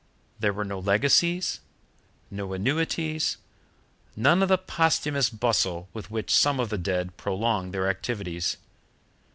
There were no legacies, no annuities, none of the posthumous bustle with which some of the dead prolong their activities.